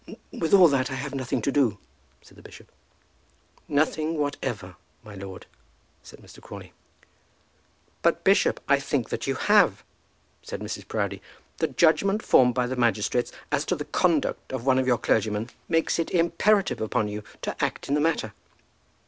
"With all that I have nothing to do," said the bishop. "Nothing whatever, my lord," said Mr. Crawley. "But, bishop, I think that you have," said Mrs. Proudie. "The judgment formed by the magistrates as to the conduct of one of your clergymen makes it imperative upon you to act in the matter."